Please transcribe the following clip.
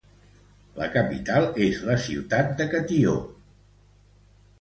La capital és la ciutat de Catió.